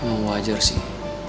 emang wajar sih